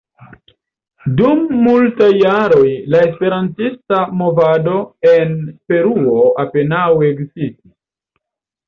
Dum multaj jaroj la esperantista movado en Peruo apenaŭ ekzistis.